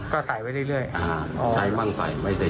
ก็ใส่วันเรื่อย